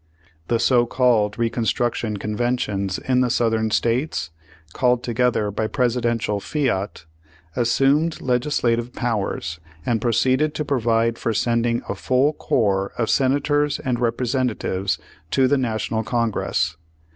The so called Reconstruction Conventions in the Southern States, called together by Presidential fiat, assumed legislative powers, and proceeded to provide for sending a full corps of Senators and Representatives to the National Congress.